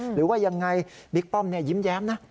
หรือว่ายังไงบิ๊กป้อมยิ้มแย้มนะ